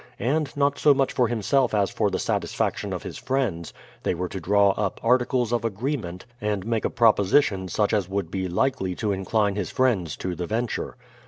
And, not so much for himself as for the satis faction of his friends, they were to draw up articles of agreement, and make a proposition such as would be likely to incline his friends to the venture.